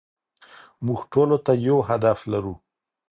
موږ ټولو ته يو هدف لرو.